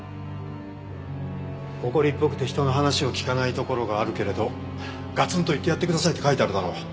「怒りっぽくて人の話を聞かないところがあるけれどガツンと言ってやってください」って書いてあるだろ。